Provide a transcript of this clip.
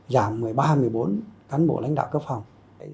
giảm một mươi ba một mươi bốn cán bộ lãnh đạo cấp phòng